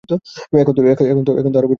এখন তো আরো বেশি ভালোবাসি।